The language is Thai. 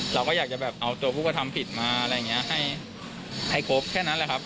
เราก็อยากจะแบบเอาตัวผู้กระทำผิดมาอะไรอย่างนี้ให้ครบแค่นั้นแหละครับ